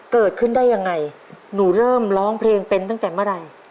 เกิดขึ้นได้ยังไงหนูเริ่มร้องเพลงเป็นตั้งแต่เมื่อไหร่